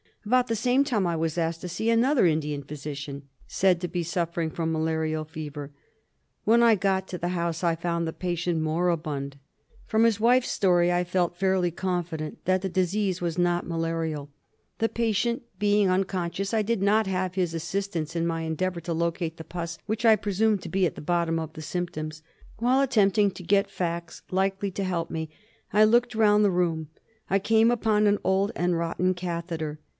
About the same time I was asked to see another Indian physician said to be suffering from malarial fever. When I got to the house I found the patient moribund. From his wife's story I felt fairly confident that the case was not malarial. The patient being un conscious I did not have his assistance in my endeavour to locate the pus which I assumed to be at the bottom of the symptoms. While attempting to get facts likely to help me I looked round the room. I came upon an old and rotten catheter.